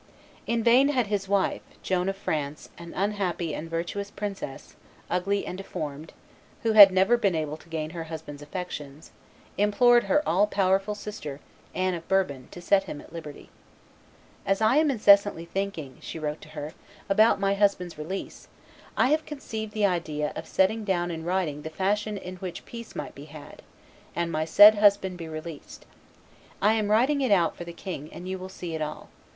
In vain had his wife, Joan of France, an unhappy and virtuous princess, ugly and deformed, who had never been able to gain her husband's affections, implored her all powerful sister, Anne of Bourbon, to set him at liberty: "As I am incessantly thinking," she wrote to her, "about my husband's release, I have conceived the idea of setting down in writing the fashion in which peace might be had, and my said husband be released. I am writing it out for the king, and you will see it all.